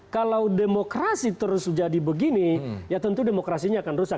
kalau demokrasi terus jadi begini ya tentu demokrasinya akan rusak